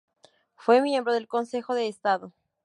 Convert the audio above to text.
Fue miembro del Consejo de Estado.